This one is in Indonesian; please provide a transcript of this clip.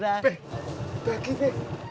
be lagi be